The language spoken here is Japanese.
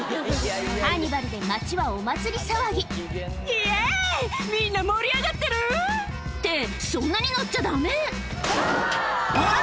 カーニバルで街はお祭り騒ぎ「イエイみんな盛り上がってる？」ってそんなに乗っちゃダメほら！